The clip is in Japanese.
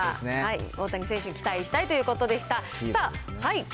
大谷選手に期待したいということでした。